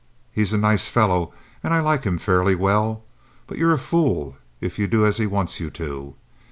He's a nice fellow, and I like him fairly well; but you're a fool if you do as he wants you to.